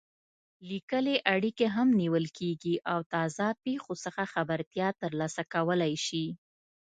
لیکلې اړیکې هم نیول کېږي او تازه پېښو څخه خبرتیا ترلاسه کولای شي.